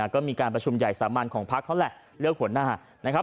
ก็มีการประชุมใหญ่สามัญของพักเขาแหละเลือกหัวหน้านะครับ